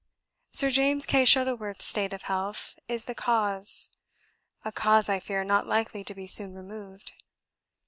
Sir James Kay Shuttleworth's state of health is the cause a cause, I fear, not likely to be soon removed.